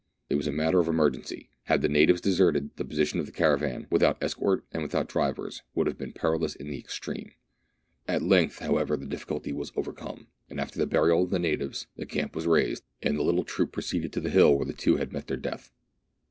It was a matter of emergency ; had the natives deserted, the position of the l6o MERIDIANA; THE ADVENTURES OF caravan, without escort and without drivers, would have been perilous in the extreme. At length, however, the difficulty was overcome, and after the burial of the natives, the camp was raised, and the little troop proceeded to the hill where the two had met their death.